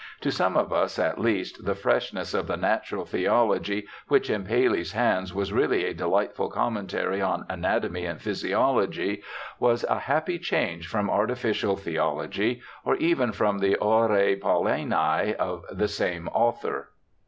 To some of us at least the freshness of the natural theology, which in Paley's hands was really a delightful commentary on anatomy and physiology, was a happy change from artificial theology, or even from the Horae Paulinae of the same author.